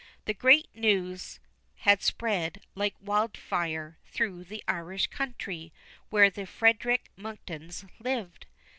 The great news meanwhile had spread like wildfire through the Irish country where the Frederic Monktons lived.